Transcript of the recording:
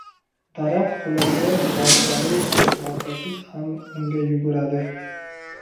• Daraxt qulasa, boltali ham, boltasiz ham unga yuguradi.